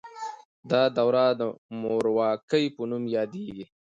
دا دوره د مورواکۍ په نوم یادیده.